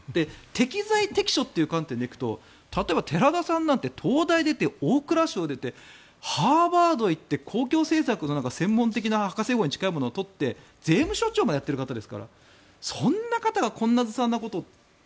適材適所という観点で行くと例えば寺田さんなんて東大出て、大蔵省出てハーバード行って公共政策の専門的な博士号に近いものを取って税務署長までやっている方ですからそんな方がこんなずさんなことを。